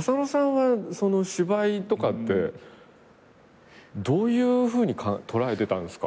浅野さんは芝居とかってどういうふうに捉えてたんですか？